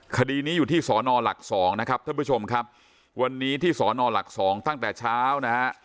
คดีนี้อยู่ที่สอนอหลักสองนะครับท่านผู้ชมครับวันนี้ที่สอนอหลักสองตั้งแต่เช้านะฮะ